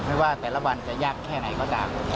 ว่าแต่ละวันจะยากแค่ไหนก็ตาม